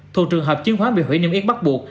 thuộc trường hợp chứng khoán bị hủy niêm miết bắt buộc